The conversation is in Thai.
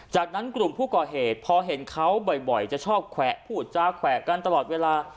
จากนั้นกลุ่มผู้ก่อเหตุพอเห็นเขาบ่อยจะชอบแขวะพูดจาแขวะกันตลอดเวลา